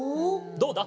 どうだ？